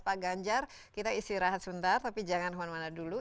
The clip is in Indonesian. pak ganjar kita istirahat sebentar tapi jangan kemana mana dulu